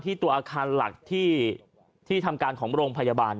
ตัวอาคารหลักที่ทำการของโรงพยาบาล